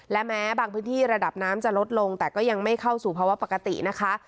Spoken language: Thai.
และแม้บางพื้นที่ระดับน้ำจะลดลงแต่ก็ยังไม่เข้าสู่ภาวะปกตินะคะ